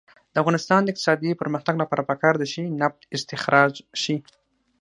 د افغانستان د اقتصادي پرمختګ لپاره پکار ده چې نفت استخراج شي.